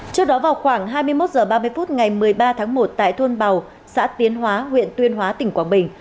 trước đó vào khoảng hai mươi một h ba mươi phút ngày một mươi ba tháng một tại thôn bào xã tiến hóa huyện tuyên hóa tỉnh quảng bình